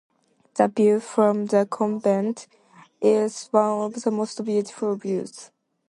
The view from the Convent is one of the most beautiful views.